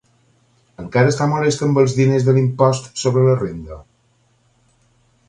Encara està molest amb els diners de l'impost sobre la renda?